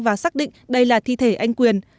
và xác định đây là thi thể anh quyền